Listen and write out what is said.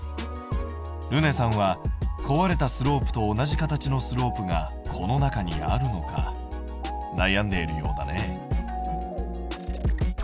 るねさんは壊れたスロープと同じ形のスロープがこの中にあるのか悩んでいるようだね。